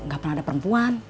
gak pernah ada perempuan